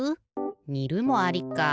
にるもありか。